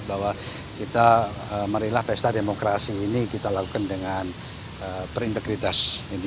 bahwa kita merilah pesta demokrasi ini kita lakukan dengan berintegritas